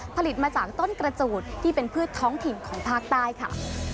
ผลิตมาจากต้นกระจูดที่เป็นพืชท้องถิ่นของภาคใต้ค่ะ